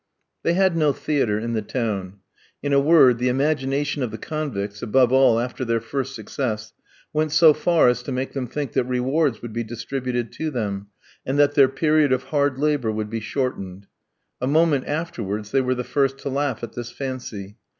They had no theatre in the town. In a word, the imagination of the convicts, above all after their first success, went so far as to make them think that rewards would be distributed to them, and that their period of hard labour would be shortened. A moment afterwards they were the first to laugh at this fancy.